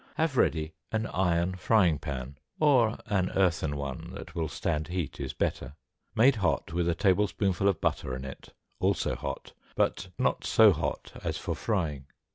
Have ready an iron frying pan (or an earthen one that will stand heat is better), made hot with a tablespoonful of butter in it, also hot, but not so hot as for frying.